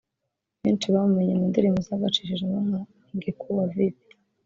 Benshi bamumenye mu ndirimbo zagacishijeho nka ‘Ingekuwa Vipi’